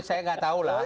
saya nggak tahu lah